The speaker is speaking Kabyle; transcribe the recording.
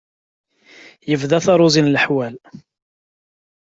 Ibda taruẓi n leḥwal!